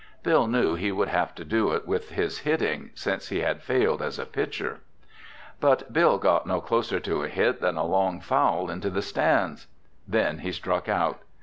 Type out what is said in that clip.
Bill knew he would have to do it with his hitting, since he had failed as a pitcher. But Bill got no closer to a hit than a long foul into the stands. Then he struck out.